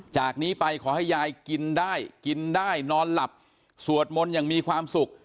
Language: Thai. จากนี้ไปขอให้ยายกินได้กินได้นอนหลับสวดมนต์อย่างมีความสุข